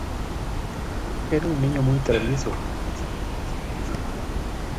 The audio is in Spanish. Era un niño muy travieso que le sacaba de sus casillas